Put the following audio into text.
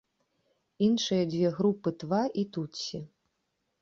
Іншыя дзве групы тва і тутсі.